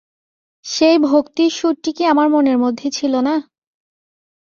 সেই ভক্তির সুরটি কি আমার মনের মধ্যে ছিল না?